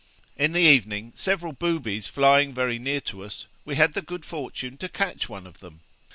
In the evening, several boobies flying very near to us, we had the good fortune to catch one of them.